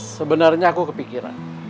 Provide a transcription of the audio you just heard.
sebenarnya aku kepikiran